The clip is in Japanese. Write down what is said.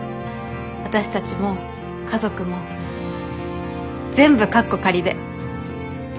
私たちも家族も全部カッコ仮で。